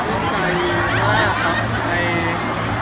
ชอบแรงดีมากครับ